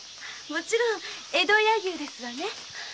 もちろん江戸柳生ですわね？